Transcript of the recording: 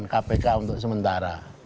kpk untuk sementara